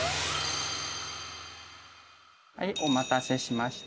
お待たせしました。